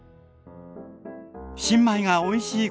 新米がおいしい